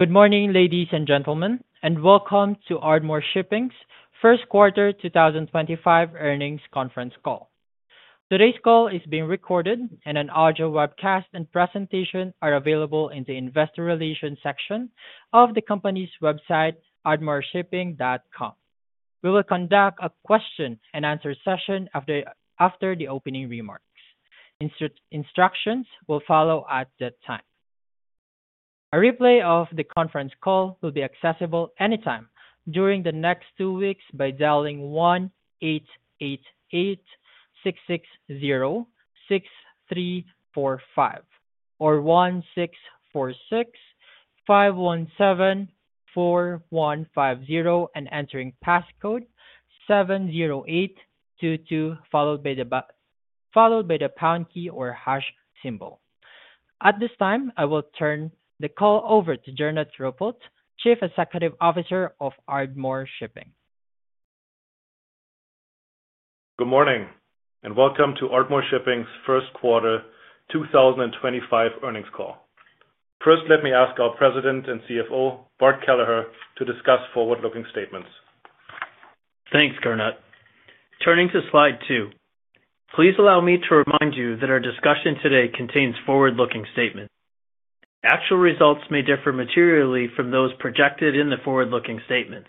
Good morning, ladies and gentlemen, and welcome to Ardmore Shipping's first quarter 2025 earnings conference call. Today's call is being recorded, and an audio webcast and presentation are available in the investor relations section of the company's website, ardmoreshipping.com. We will conduct a question and answer session after the opening remarks. Instructions will follow at that time. A replay of the conference call will be accessible anytime during the next two weeks by dialing 1-888-660-6345 or 1-646-517-4150 and entering passcode 70822, followed by the pound key or hash symbol. At this time, I will turn the call over to Gernot Ruppelt, Chief Executive Officer of Ardmore Shipping. Good morning and welcome to Ardmore Shipping's first quarter 2025 earnings call. First, let me ask our President and CFO, Bart Kelleher, to discuss forward-looking statements. Thanks, Gernot. Turning to slide two, please allow me to remind you that our discussion today contains forward-looking statements. Actual results may differ materially from those projected in the forward-looking statements.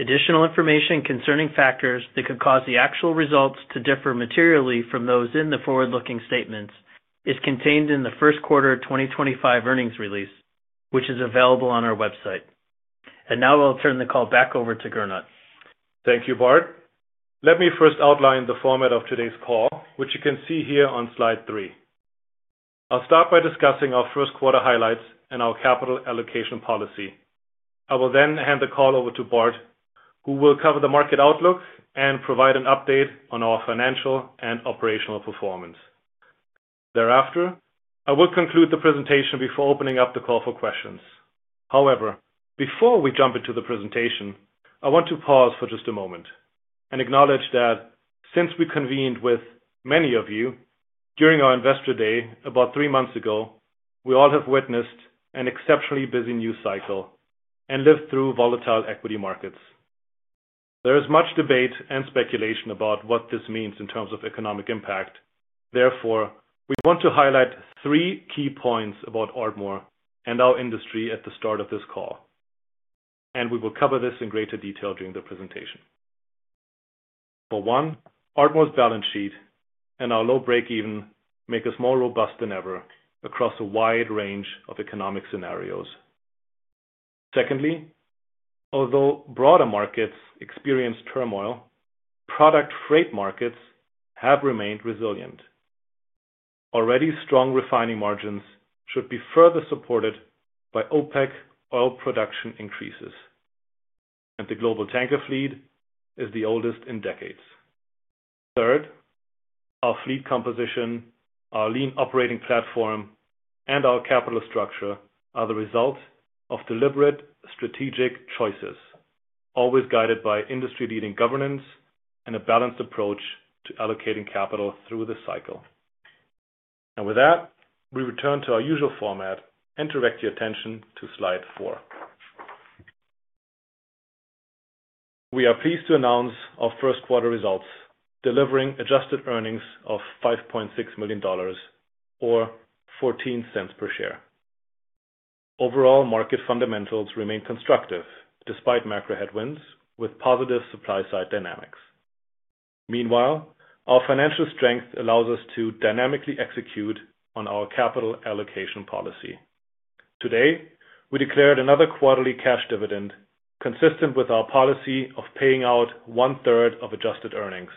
Additional information concerning factors that could cause the actual results to differ materially from those in the forward-looking statements is contained in the first quarter 2025 earnings release, which is available on our website. I will now turn the call back over to Gernot. Thank you, Bart. Let me first outline the format of today's call, which you can see here on slide three. I'll start by discussing our first quarter highlights and our capital allocation policy. I will then hand the call over to Bart, who will cover the market outlook and provide an update on our financial and operational performance. Thereafter, I will conclude the presentation before opening up the call for questions. However, before we jump into the presentation, I want to pause for just a moment and acknowledge that since we convened with many of you during our investor day about three months ago, we all have witnessed an exceptionally busy news cycle and lived through volatile equity markets. There is much debate and speculation about what this means in terms of economic impact. Therefore, we want to highlight three key points about Ardmore and our industry at the start of this call, and we will cover this in greater detail during the presentation. For one, Ardmore's balance sheet and our low break-even make us more robust than ever across a wide range of economic scenarios. Secondly, although broader markets experience turmoil, product freight markets have remained resilient. Already strong refining margins should be further supported by OPEC oil production increases, and the global tanker fleet is the oldest in decades. Third, our fleet composition, our lean operating platform, and our capital structure are the result of deliberate strategic choices, always guided by industry-leading governance and a balanced approach to allocating capital through the cycle. With that, we return to our usual format and direct your attention to slide four. We are pleased to announce our first quarter results, delivering adjusted earnings of $5.6 million or $0.14 per share. Overall, market fundamentals remain constructive despite macro headwinds with positive supply-side dynamics. Meanwhile, our financial strength allows us to dynamically execute on our capital allocation policy. Today, we declared another quarterly cash dividend consistent with our policy of paying out one-third of adjusted earnings.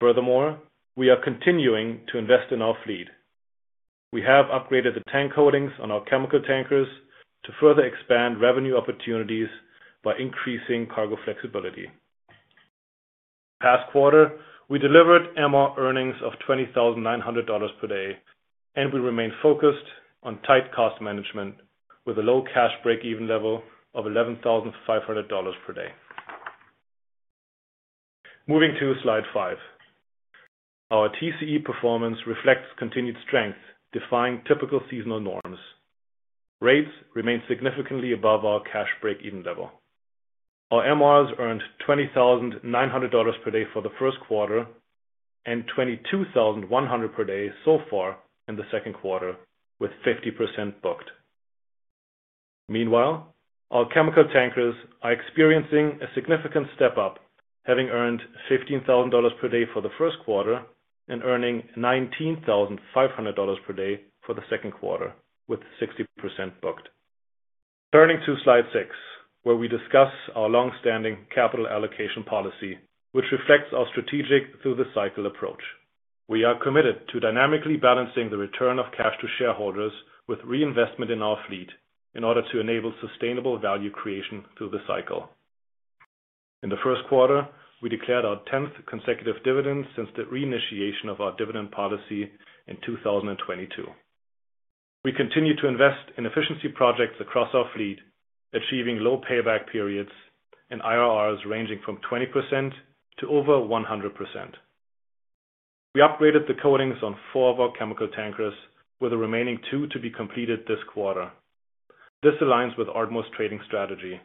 Furthermore, we are continuing to invest in our fleet. We have upgraded the tank coatings on our chemical tankers to further expand revenue opportunities by increasing cargo flexibility. Last quarter, we delivered MR earnings of $20,900 per day, and we remain focused on tight cost management with a low cash break-even level of $11,500 per day. Moving to slide five, our TCE performance reflects continued strength, defying typical seasonal norms. Rates remain significantly above our cash break-even level. Our MRs earned $20,900 per day for the first quarter and $22,100 per day so far in the second quarter, with 50% booked. Meanwhile, our chemical tankers are experiencing a significant step up, having earned $15,000 per day for the first quarter and earning $19,500 per day for the second quarter, with 60% booked. Turning to slide six, where we discuss our long-standing capital allocation policy, which reflects our strategic through-the-cycle approach. We are committed to dynamically balancing the return of cash to shareholders with reinvestment in our fleet in order to enable sustainable value creation through the cycle. In the first quarter, we declared our 10th consecutive dividend since the reinitiation of our dividend policy in 2022. We continue to invest in efficiency projects across our fleet, achieving low payback periods and IRRs ranging from 20% to over 100%. We upgraded the coatings on four of our chemical tankers, with the remaining two to be completed this quarter. This aligns with Ardmore's trading strategy.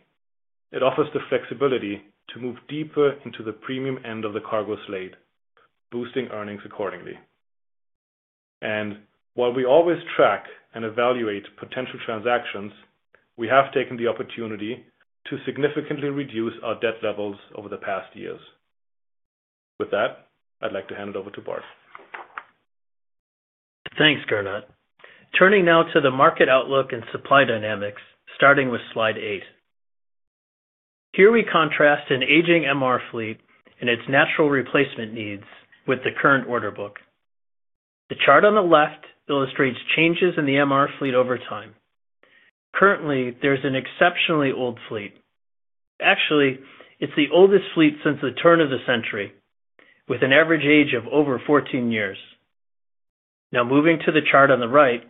It offers the flexibility to move deeper into the premium end of the cargo slate, boosting earnings accordingly. While we always track and evaluate potential transactions, we have taken the opportunity to significantly reduce our debt levels over the past years. With that, I'd like to hand it over to Bart. Thanks, Gernot. Turning now to the market outlook and supply dynamics, starting with slide sight. Here we contrast an aging MR fleet and its natural replacement needs with the current order book. The chart on the left illustrates changes in the MR fleet over time. Currently, there's an exceptionally old fleet. Actually, it's the oldest fleet since the turn of the century, with an average age of over 14 years. Now, moving to the chart on the right,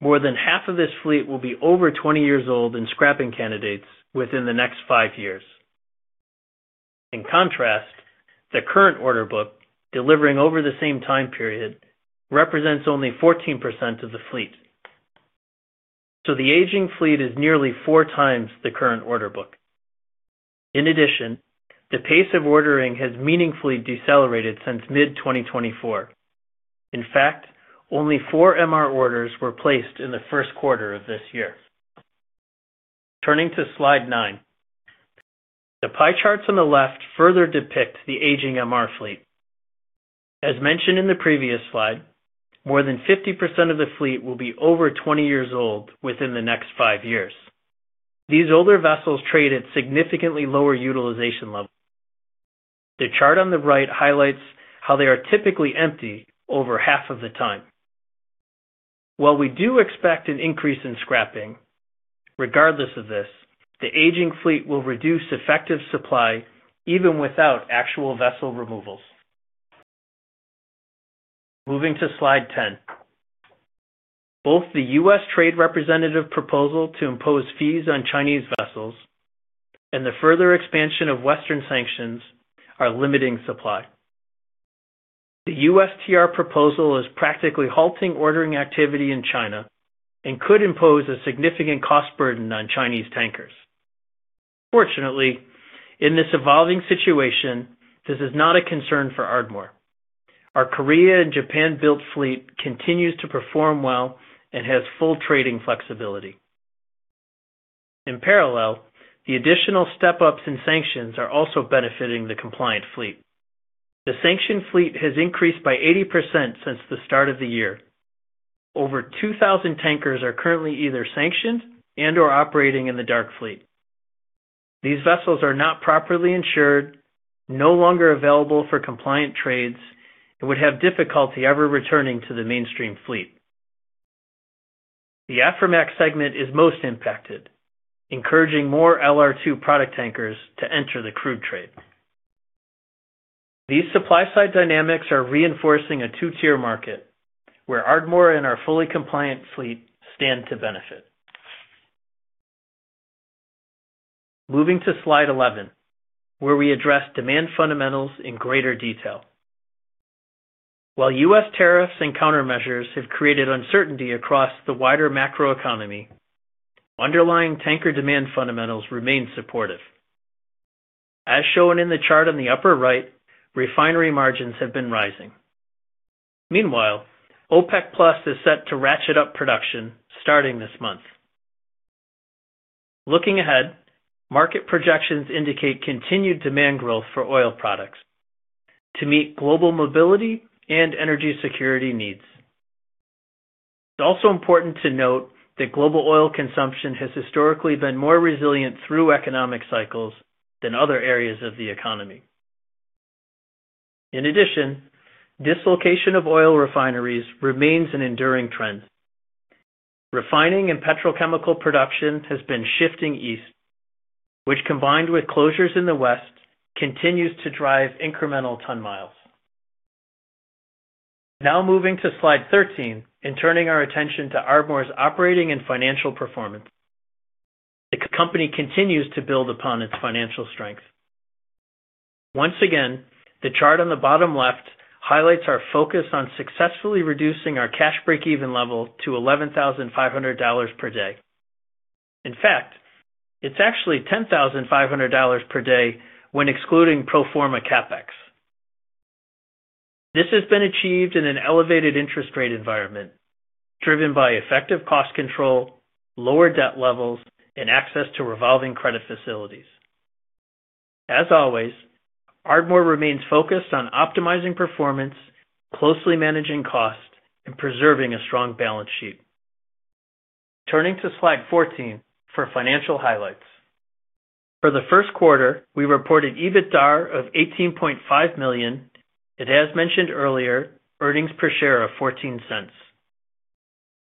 more than half of this fleet will be over 20 years old and scrapping candidates within the next five years. In contrast, the current order book, delivering over the same time period, represents only 14% of the fleet. The aging fleet is nearly four times the current order book. In addition, the pace of ordering has meaningfully decelerated since mid-2024. In fact, only four MR orders were placed in the first quarter of this year. Turning to slide nine, the pie charts on the left further depict the aging MR fleet. As mentioned in the previous slide, more than 50% of the fleet will be over 20 years old within the next five years. These older vessels trade at significantly lower utilization levels. The chart on the right highlights how they are typically empty over half of the time. While we do expect an increase in scrapping, regardless of this, the aging fleet will reduce effective supply even without actual vessel removals. Moving to slide 10, both the U.S. Trade Representative proposal to impose fees on Chinese vessels and the further expansion of Western sanctions are limiting supply. The USTR proposal is practically halting ordering activity in China and could impose a significant cost burden on Chinese tankers. Fortunately, in this evolving situation, this is not a concern for Ardmore. Our Korea and Japan-built fleet continues to perform well and has full trading flexibility. In parallel, the additional step-ups in sanctions are also benefiting the compliant fleet. The sanctioned fleet has increased by 80% since the start of the year. Over 2,000 tankers are currently either sanctioned and/or operating in the dark fleet. These vessels are not properly insured, no longer available for compliant trades, and would have difficulty ever returning to the mainstream fleet. The Aframax segment is most impacted, encouraging more LR2 product tankers to enter the crude trade. These supply-side dynamics are reinforcing a two-tier market where Ardmore and our fully compliant fleet stand to benefit. Moving to slide 11, where we address demand fundamentals in greater detail. While U.S. tariffs and countermeasures have created uncertainty across the wider macroeconomy, underlying tanker demand fundamentals remain supportive. As shown in the chart on the upper right, refinery margins have been rising. Meanwhile, OPEC+ is set to ratchet up production starting this month. Looking ahead, market projections indicate continued demand growth for oil products to meet global mobility and energy security needs. It's also important to note that global oil consumption has historically been more resilient through economic cycles than other areas of the economy. In addition, dislocation of oil refineries remains an enduring trend. Refining and petrochemical production has been shifting east, which, combined with closures in the west, continues to drive incremental ton miles. Now moving to slide 13 and turning our attention to Ardmore's operating and financial performance. The company continues to build upon its financial strength. Once again, the chart on the bottom left highlights our focus on successfully reducing our cash break-even level to $11,500 per day. In fact, it is actually $10,500 per day when excluding Pro Forma CapEx. This has been achieved in an elevated interest rate environment, driven by effective cost control, lower debt levels, and access to revolving credit facilities. As always, Ardmore remains focused on optimizing performance, closely managing costs, and preserving a strong balance sheet. Turning to slide 14 for financial highlights. For the first quarter, we reported EBITDA of $18.5 million. It, as mentioned earlier, earnings per share of $0.14.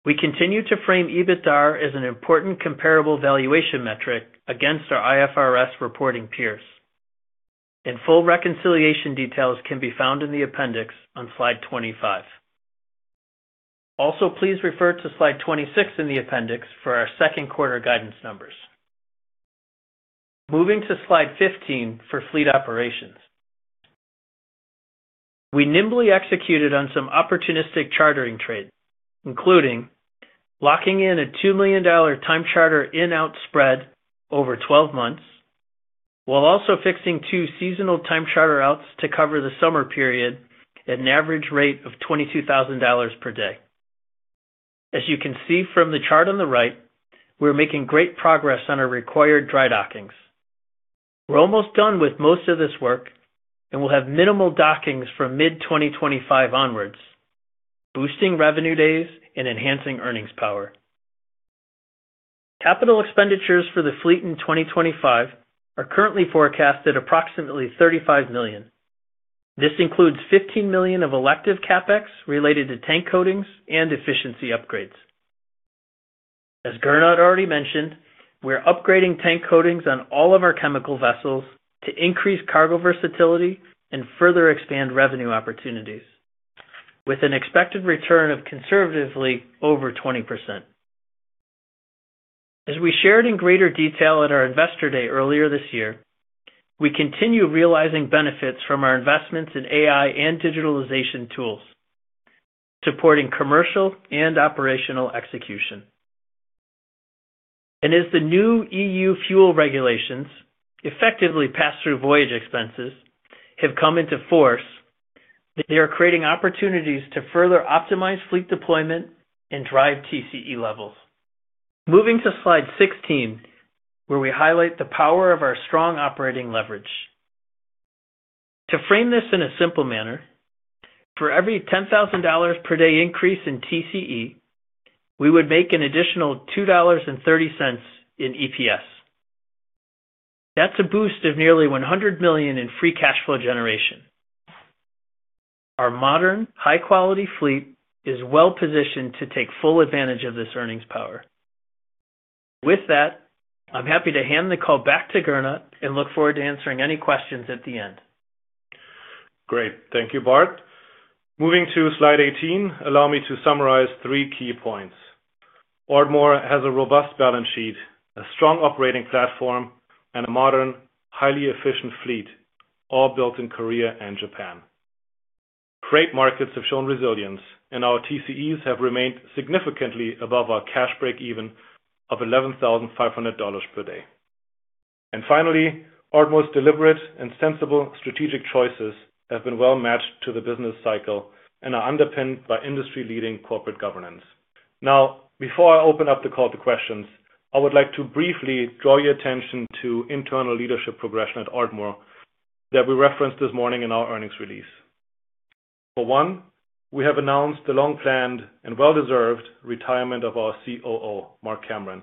We continue to frame EBITDA as an important comparable valuation metric against our IFRS reporting peers. Full reconciliation details can be found in the appendix on slide 25. Also, please refer to slide 26 in the appendix for our second quarter guidance numbers. Moving to slide 15 for fleet operations. We nimbly executed on some opportunistic chartering trades, including locking in a $2 million time charter in-out spread over 12 months, while also fixing two seasonal time charter outs to cover the summer period at an average rate of $22,000 per day. As you can see from the chart on the right, we're making great progress on our required dry dockings. We're almost done with most of this work and will have minimal dockings from mid-2025 onwards, boosting revenue days and enhancing earnings power. Capital expenditures for the fleet in 2025 are currently forecast at approximately $35 million. This includes $15 million of elective CapEx related to tank coatings and efficiency upgrades. As Gernot already mentioned, we're upgrading tank coatings on all of our chemical vessels to increase cargo versatility and further expand revenue opportunities, with an expected return of conservatively over 20%. As we shared in greater detail at our investor day earlier this year, we continue realizing benefits from our investments in AI and digitalization tools, supporting commercial and operational execution. As the new EU fuel regulations, effectively pass-through voyage expenses, have come into force, they are creating opportunities to further optimize fleet deployment and drive TCE levels. Moving to slide 16, where we highlight the power of our strong operating leverage. To frame this in a simple manner, for every $10,000 per day increase in TCE, we would make an additional $2.30 in EPS. That is a boost of nearly $100 million in free cash flow generation. Our modern, high-quality fleet is well-positioned to take full advantage of this earnings power. With that, I'm happy to hand the call back to Gernot and look forward to answering any questions at the end. Great. Thank you, Bart. Moving to slide 18, allow me to summarize three key points. Ardmore has a robust balance sheet, a strong operating platform, and a modern, highly efficient fleet, all built in Korea and Japan. Crude markets have shown resilience, and our TCEs have remained significantly above our cash break-even of $11,500 per day. Finally, Ardmore's deliberate and sensible strategic choices have been well-matched to the business cycle and are underpinned by industry-leading corporate governance. Now, before I open up the call to questions, I would like to briefly draw your attention to internal leadership progression at Ardmore that we referenced this morning in our earnings release. For one, we have announced the long-planned and well-deserved retirement of our COO, Mark Cameron,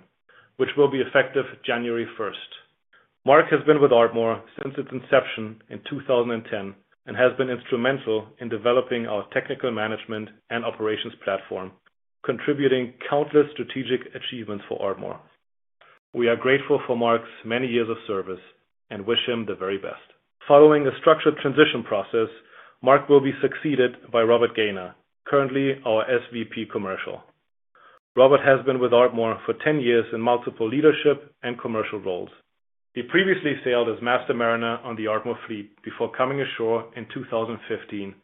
which will be effective January 1st. Mark has been with Ardmore since its inception in 2010 and has been instrumental in developing our technical management and operations platform, contributing countless strategic achievements for Ardmore. We are grateful for Mark's many years of service and wish him the very best. Following a structured transition process, Mark will be succeeded by Robert Gaynor, currently our SVP Commercial. Robert has been with Ardmore for 10 years in multiple leadership and commercial roles. He previously sailed as Master Mariner on the Ardmore fleet before coming ashore in 2015,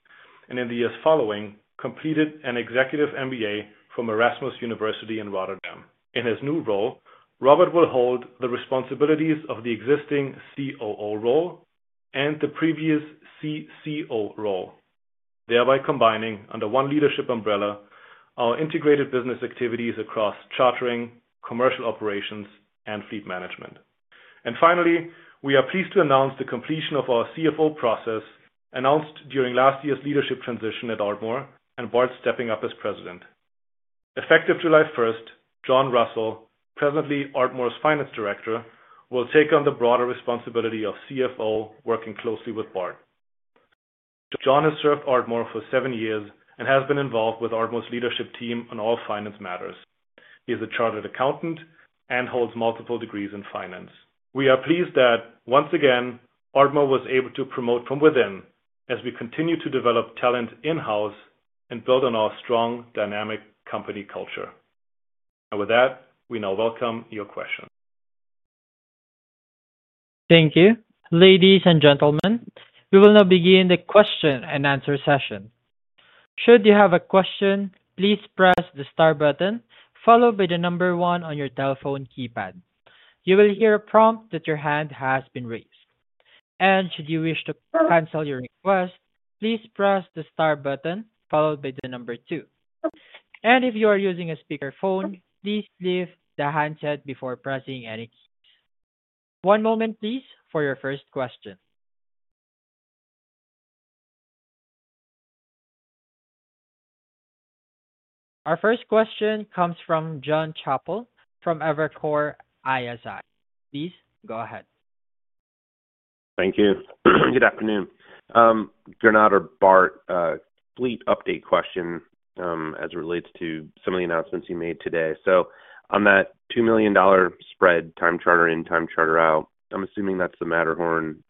and in the years following, completed an executive MBA from Erasmus University in Rotterdam. In his new role, Robert will hold the responsibilities of the existing COO role and the previous CCO role, thereby combining under one leadership umbrella our integrated business activities across chartering, commercial operations, and fleet management. We are pleased to announce the completion of our CFO process announced during last year's leadership transition at Ardmore and Bart stepping up as President. Effective July 1st, John Russell, presently Ardmore's Finance Director, will take on the broader responsibility of CFO working closely with Bart. John has served Ardmore for seven years and has been involved with Ardmore's leadership team on all finance matters. He is a chartered accountant and holds multiple degrees in finance. We are pleased that, once again, Ardmore was able to promote from within as we continue to develop talent in-house and build on our strong, dynamic company culture. With that, we now welcome your questions. Thank you. Ladies and gentlemen, we will now begin the question and answer session. Should you have a question, please press the star button followed by the number one on your telephone keypad. You will hear a prompt that your hand has been raised. Should you wish to cancel your request, please press the star button followed by the number two. If you are using a speakerphone, please lift the handset before pressing any keys. One moment, please, for your first question. Our first question comes from John Chappell from Evercore ISI. Please go ahead. Thank you. Good afternoon. Gernot or Bart, fleet update question as it relates to some of the announcements you made today. On that $2 million spread, time charter in, time charter out, I'm assuming that's the Matterhorn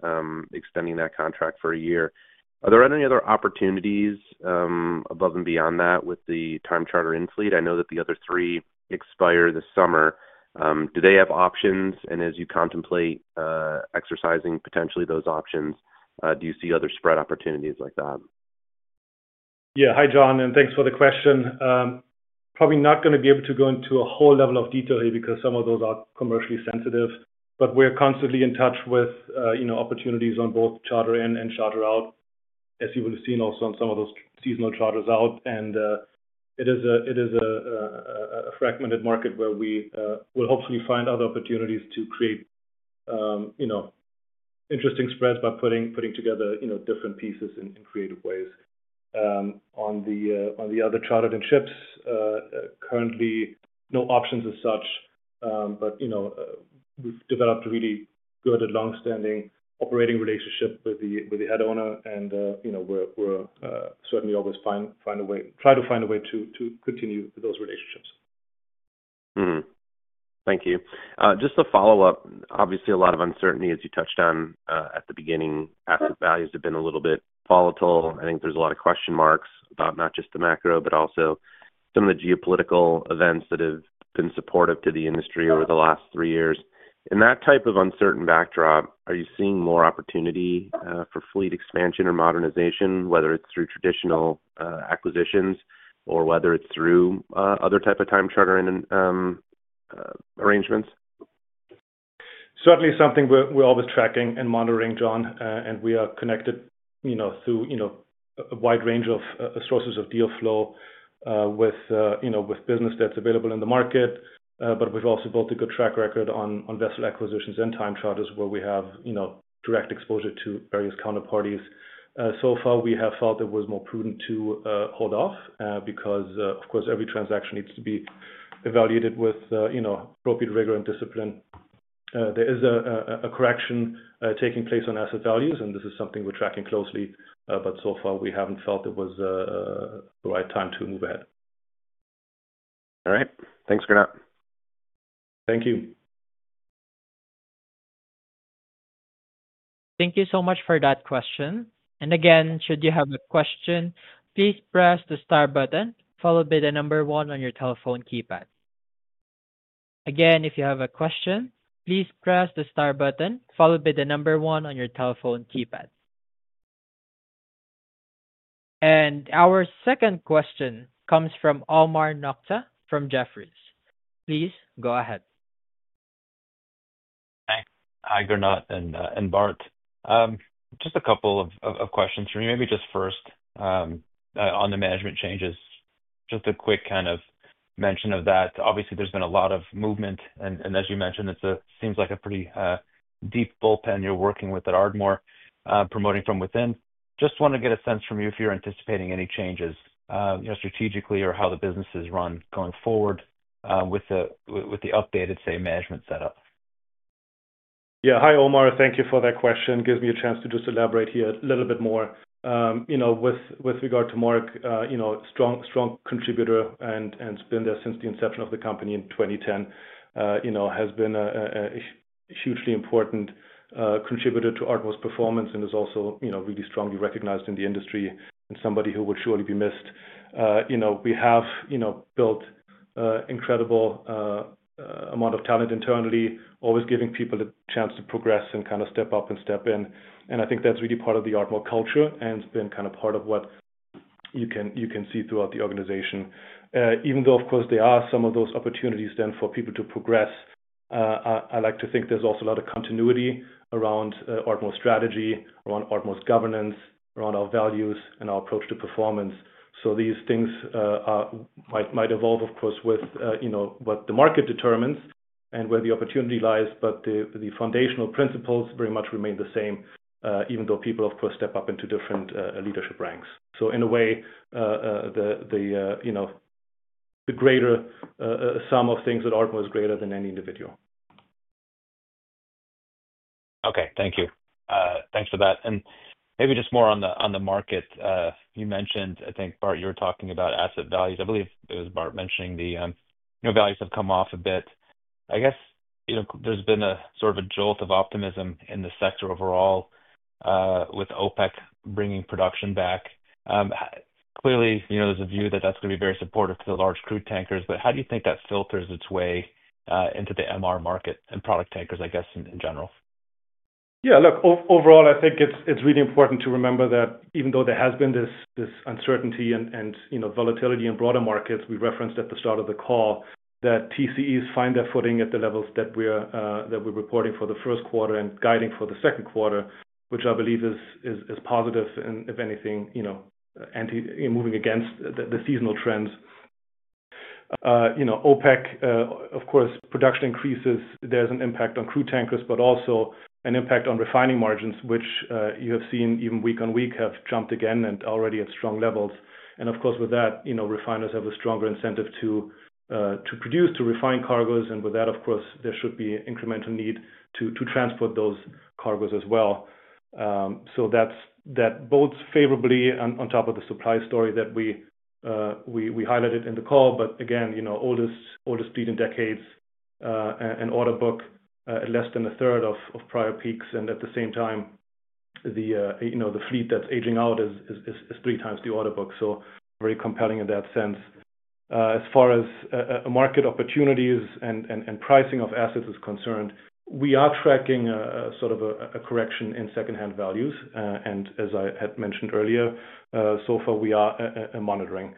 extending that contract for a year. Are there any other opportunities above and beyond that with the time charter in fleet? I know that the other three expire this summer. Do they have options? As you contemplate exercising potentially those options, do you see other spread opportunities like that? Yeah. Hi, John, and thanks for the question. Probably not going to be able to go into a whole level of detail here because some of those are commercially sensitive, but we're constantly in touch with opportunities on both charter in and charter out, as you will have seen also on some of those seasonal charters out. It is a fragmented market where we will hopefully find other opportunities to create interesting spreads by putting together different pieces in creative ways. On the other chartered in ships, currently no options as such, but we've developed a really good and long-standing operating relationship with the head owner, and we'll certainly always try to find a way to continue those relationships. Thank you. Just to follow up, obviously a lot of uncertainty, as you touched on at the beginning, asset values have been a little bit volatile. I think there's a lot of question marks about not just the macro, but also some of the geopolitical events that have been supportive to the industry over the last three years. In that type of uncertain backdrop, are you seeing more opportunity for fleet expansion or modernization, whether it's through traditional acquisitions or whether it's through other types of time chartering arrangements? Certainly something we're always tracking and monitoring, John, and we are connected through a wide range of sources of deal flow with business that's available in the market, but we've also built a good track record on vessel acquisitions and time charters where we have direct exposure to various counterparties. So far, we have felt it was more prudent to hold off because, of course, every transaction needs to be evaluated with appropriate rigor and discipline. There is a correction taking place on asset values, and this is something we're tracking closely, but so far, we haven't felt it was the right time to move ahead. All right. Thanks, Gernot. Thank you. Thank you so much for that question. Again, should you have a question, please press the star button followed by the number one on your telephone keypad. If you have a question, please press the star button followed by the number one on your telephone keypad. Our second question comes from Omar Nokta from Jefferies. Please go ahead. Hi, Gernot and Bart. Just a couple of questions for me. Maybe just first on the management changes, just a quick kind of mention of that. Obviously, there's been a lot of movement, and as you mentioned, it seems like a pretty deep bullpen you're working with at Ardmore promoting from within. Just want to get a sense from you if you're anticipating any changes strategically or how the business is run going forward with the updated, say, management setup. Yeah. Hi, Omar. Thank you for that question. Gives me a chance to just elaborate here a little bit more. With regard to Mark, strong contributor and has been there since the inception of the company in 2010, has been a hugely important contributor to Ardmore's performance and is also really strongly recognized in the industry and somebody who would surely be missed. We have built an incredible amount of talent internally, always giving people a chance to progress and kind of step up and step in. I think that's really part of the Ardmore culture, and it's been kind of part of what you can see throughout the organization. Even though, of course, there are some of those opportunities then for people to progress, I like to think there's also a lot of continuity around Ardmore's strategy, around Ardmore's governance, around our values, and our approach to performance. These things might evolve, of course, with what the market determines and where the opportunity lies, but the foundational principles very much remain the same, even though people, of course, step up into different leadership ranks. In a way, the greater sum of things at Ardmore is greater than any individual. Okay. Thank you. Thanks for that. Maybe just more on the market. You mentioned, I think, Bart, you were talking about asset values. I believe it was Bart mentioning the values have come off a bit. I guess there's been a sort of a jolt of optimism in the sector overall with OPEC bringing production back. Clearly, there's a view that that's going to be very supportive to the large crude tankers, but how do you think that filters its way into the MR market and product tankers, I guess, in general? Yeah. Look, overall, I think it's really important to remember that even though there has been this uncertainty and volatility in broader markets, we referenced at the start of the call that TCEs find their footing at the levels that we're reporting for the first quarter and guiding for the second quarter, which I believe is positive, if anything, moving against the seasonal trends. OPEC, of course, production increases, there's an impact on crude tankers, but also an impact on refining margins, which you have seen even week on week have jumped again and already at strong levels. Of course, with that, refiners have a stronger incentive to produce, to refine cargoes, and with that, of course, there should be incremental need to transport those cargoes as well. That bodes favorably on top of the supply story that we highlighted in the call, but again, oldest fleet in decades and order book at less than a third of prior peaks, and at the same time, the fleet that's aging out is three times the order book. Very compelling in that sense. As far as market opportunities and pricing of assets is concerned, we are tracking sort of a correction in second-hand values, and as I had mentioned earlier, so far, we are monitoring.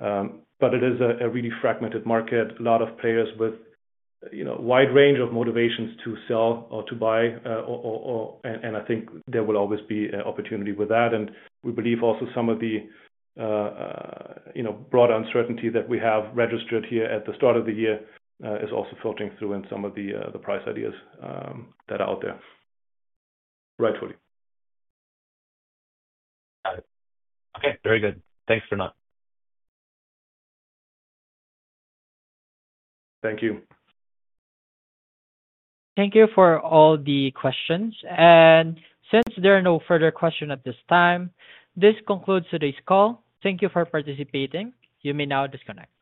It is a really fragmented market, a lot of players with a wide range of motivations to sell or to buy, and I think there will always be an opportunity with that. We believe also some of the broader uncertainty that we have registered here at the start of the year is also filtering through in some of the price ideas that are out there. Rightfully. Okay. Very good. Thanks, Gernot. Thank you. Thank you for all the questions. Since there are no further questions at this time, this concludes today's call. Thank you for participating. You may now disconnect.